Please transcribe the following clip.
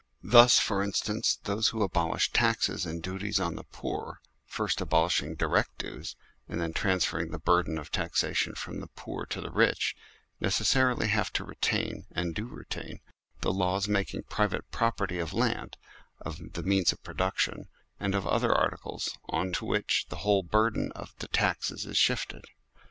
Thus, for instance, those who abolish taxes and duties on the poor, first abolishing direct dues, and then transferring the burden of taxation from the poor to the rich, necessarily have to retain, and do retain, the laws making private property of land, of the means of production, and of other articles on to which the whole burden of the taxes is shifted.